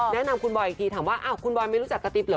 แนะนำคุณบอยอีกทีถามว่าอ้าวคุณบอยไม่รู้จักกระติ๊บเหรอ